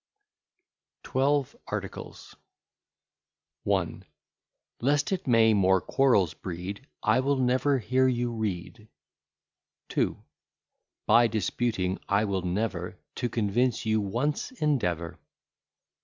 ] TWELVE ARTICLES I LEST it may more quarrels breed, I will never hear you read. II By disputing, I will never, To convince you once endeavour.